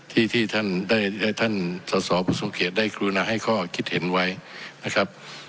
ที่ท่านสอบสงเขตได้กรุณาให้ข้อคิดเห็นไว้นะครับ